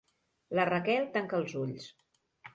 La Raquel tanca els ulls.